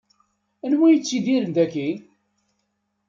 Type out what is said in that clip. Anwa i yettidiren dayi?